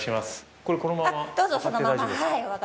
これ、このまま上がって大丈夫ですか。